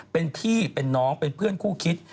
เป็นพี่เป็นน้องเป็นเพื่อนคู่คิด